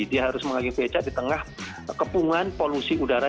dia harus mengalami becak di tengah kepungan polusi udara